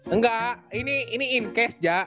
enggak ini in case jack